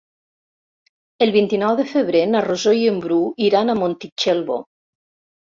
El vint-i-nou de febrer na Rosó i en Bru iran a Montitxelvo.